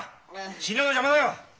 診療の邪魔だよ！